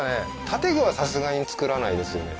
建具はさすがに作らないですよね？